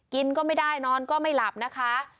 กินก็ไม่ได้นอนก็ไม่หลับนะคะ